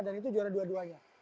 dan itu juara dua duanya